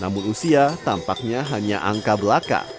namun usia tampaknya hanya angka belaka